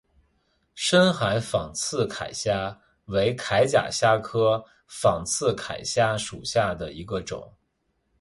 深海仿刺铠虾为铠甲虾科仿刺铠虾属下的一个种。